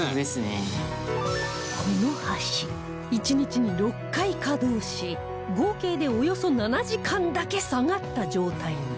この橋１日に６回稼働し合計でおよそ７時間だけ下がった状態に